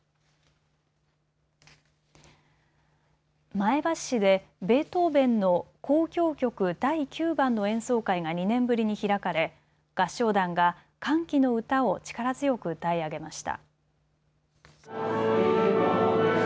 前橋市でベートーベンの交響曲第９番の演奏会が２年ぶりに開かれ、合唱団が歓喜の歌を力強く歌い上げました。